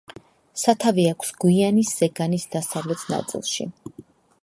სათავე აქვს გვიანის ზეგანის დასავლეთ ნაწილში.